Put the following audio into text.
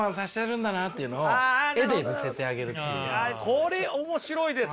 これ面白いですね。